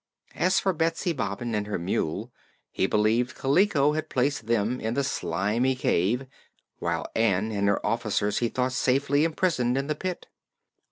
As for Betsy Bobbin and her mule, he believed Kaliko had placed them in the Slimy Cave, while Ann and her officers he thought safely imprisoned in the pit.